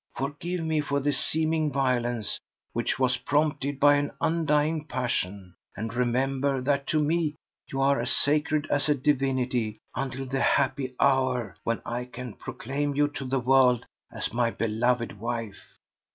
Forgive me for this seeming violence, which was prompted by an undying passion, and remember that to me you are as sacred as a divinity until the happy hour when I can proclaim you to the world as my beloved wife!"